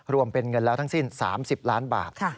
รวมเป็นเงินแล้วทั้งสิ้น๓๐ล้านบาท